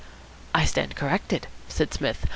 "I stand corrected," said Psmith.